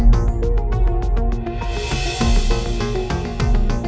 gampang terlalu baik untuk ya